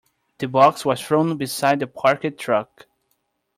The box was thrown beside the parked truck.